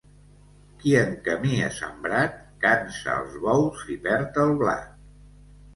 Qui en camí ha sembrat, cansa els bous i perd el blat.